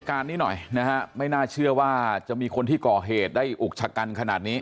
การนี้หน่อยนะฮะไม่น่าเชื่อว่าจะมีคนที่ก่อเหตุได้อุกชะกันขนาดนี้